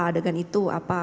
adegan itu apa